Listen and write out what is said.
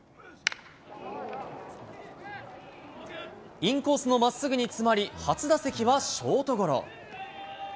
インコースのまっすぐに詰まり、初打席はショートゴロ。